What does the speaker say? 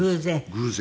偶然。